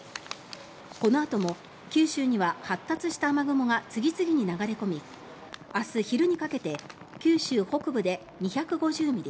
このあとも九州には発達した雨雲が次々に流れ込み明日昼にかけて九州北部で２５０ミリ